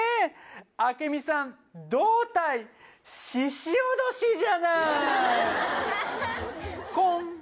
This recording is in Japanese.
あけみさん、胴体ししおどしじゃない。